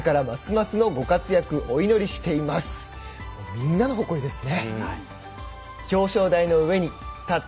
みんなの誇りですね。